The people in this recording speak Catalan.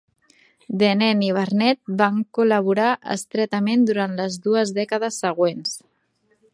Deneen i Barnett van col·laborar estretament durant les dues dècades següents.